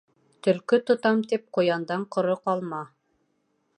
Төлкө тотам тип, ҡуяндан ҡоро ҡалма.